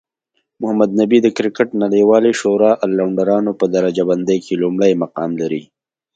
محمد نبي د کرکټ نړیوالی شورا الرونډرانو په درجه بندۍ کې لومړی مقام لري